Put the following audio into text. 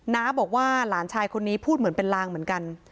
น้าบอกว่าหลานชายคนนี้พูดเหมือนเป็นลางเหมือนกัน